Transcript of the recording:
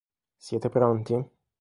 Siete pronti?